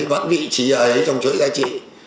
vẫn vị trí ấy trong chuỗi giá trị